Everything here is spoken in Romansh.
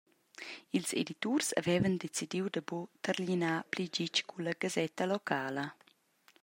Ils editurs havevan decidiu da buca targlinar pli gitg culla gasetta locala.